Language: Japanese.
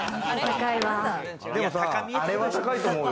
でもさ、あれは高いと思うよ。